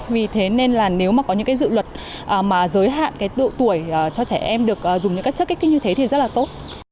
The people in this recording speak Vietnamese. vì thế nên là nếu có những dự luật giới hạn tuổi cho trẻ em được dùng những chất gây nghiện như thế thì rất là tốt